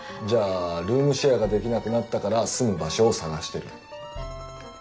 じゃあルームシェアができなくなったから住む場所を探してる。